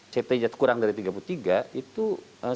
ct jatuh kurang dari tiga puluh tiga itu sensitivitasnya